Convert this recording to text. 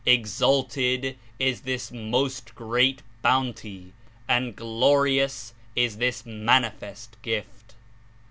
Exalted Is this Most Great Bounty and glorious Is this manifest Gift!"